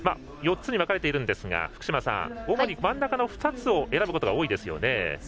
４つに分かれていますが主に真ん中の２つを選ぶことが多いですよね。